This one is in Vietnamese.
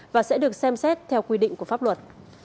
và sẽ được xem xét theo quy định của pháp luật